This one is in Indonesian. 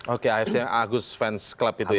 oke afc agus fans club itu ya